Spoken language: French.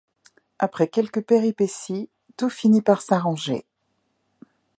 Après quelques péripéties, tout finit par s'arranger.